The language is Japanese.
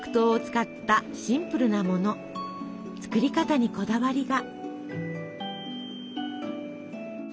作り方にこだわりが。